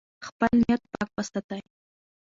خپل نیت پاک وساتئ.